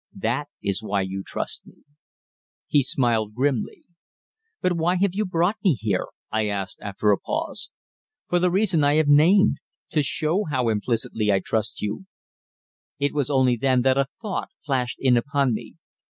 That is why you trust me." He smiled grimly. "But why have you brought me here?" I asked, after a pause. "For the reason I have named to show how implicitly I trust you." It was only then that a thought flashed in upon me.